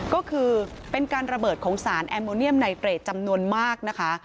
ก็คือเป็นการระเบิดของสารแอมโมเนียมไนเตรดจำนวนมากนะคะ